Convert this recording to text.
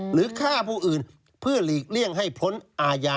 หรือฆ่าผู้อื่นเพื่อหลีกเลี่ยงให้พ้นอาญา